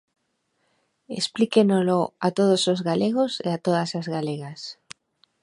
Explíquenolo a todos os galegos e a todas as galegas.